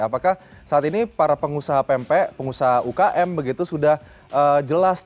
apakah saat ini para pengusaha pempek pengusaha ukm begitu sudah jelas